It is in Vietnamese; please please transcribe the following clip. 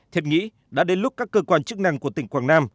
thiệt nghĩ đã đến lúc các cơ quan chức năng của tỉnh quảng nam